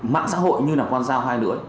mạng xã hội như là quan gia hoài nữa